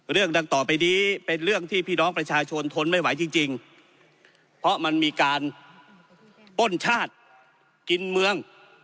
เรื่องดังต่อไปนี้เป็นเรื่องที่พี่น้องประชาชนทนไม่ไหวจริงเพราะมันมีการป้นชาติกินเมือง